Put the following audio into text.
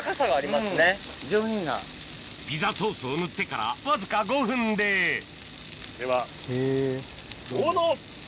ピザソースを塗ってからわずか５分でではどうぞ！